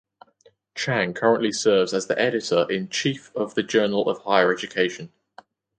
Chang currently serves as the Editor in Chief of The Journal of Higher Education.